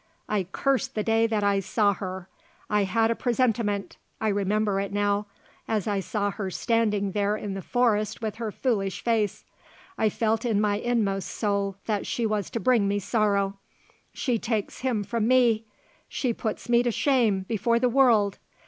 I curse the day that I saw her! I had a presentiment I remember it now as I saw her standing there in the forest with her foolish face. I felt in my inmost soul that she was to bring me sorrow. She takes him from me! She puts me to shame before the world!